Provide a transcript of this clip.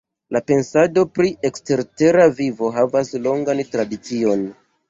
La pensado pri ekstertera vivo havas longan tradicion.